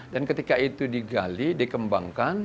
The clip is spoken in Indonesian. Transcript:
dan ketika itu digali dikembangkan